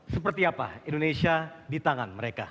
seperti apa indonesia di tangan mereka